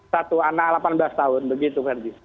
satu anak delapan belas tahun begitu ferdi